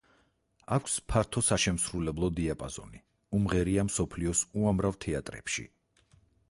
აქვს ფართო საშემსრულებლო დიაპაზონი, უმღერია მსოფლიოს უამრავ თეატრებში.